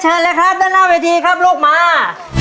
เชิญแล้วครับหน้าเวทีครับลูกมา